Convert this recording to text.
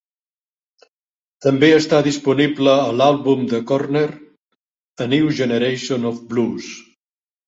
També està disponible a l"àlbum de Korner "A New Generation of Blues".